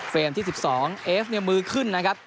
ที่๑๒เอฟเนี่ยมือขึ้นนะครับ